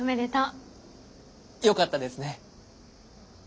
よかったですね。